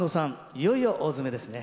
いよいよ大詰めですね。